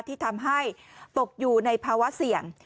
ที่ทำให้ตกอยู่ในภาวะเสี่ยง